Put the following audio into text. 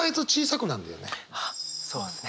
あっそうですね。